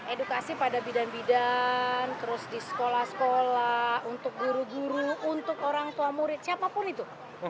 edukasi pada bidan bidan terus di sekolah sekolah untuk guru guru untuk orang tua murid siapapun itu